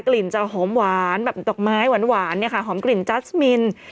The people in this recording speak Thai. กลิ่นจะหอมหวานแบบดอกไม้หวานเนี่ยค่ะหอมกลิ่นจัสมิน